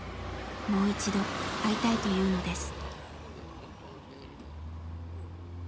もう一度会いたいというのです。